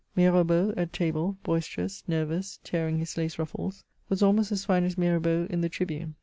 Mirabeau, at table, boisterous, nervous, tearing his lace ruffles, was almost as fine as Mirabeau in the tribune.